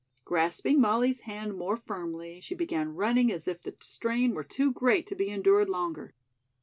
Grasping Molly's hand more firmly, she began running as if the strain were too great to be endured longer.